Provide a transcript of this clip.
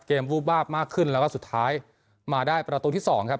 วูบวาบมากขึ้นแล้วก็สุดท้ายมาได้ประตูที่สองครับ